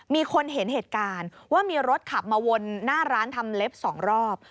มีคนเห็นเหตุการณ์ว่ามีรถขับมาวนหน้าร้านทำเล็บ๒รอบ